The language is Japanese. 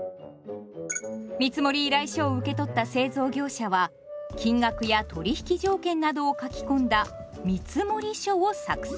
見積依頼書を受け取った製造業者は金額や取引条件などを書き込んだ「見積書」を作成。